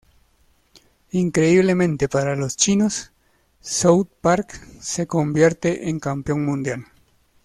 Increíblemente para los chinos, South Park se convierte en campeón mundial.